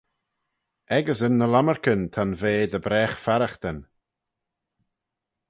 Echeysyn ny lomarcan ta'n vea dy bragh farraghtyn.